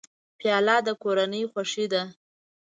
پیاله د کورنۍ خوښي ده.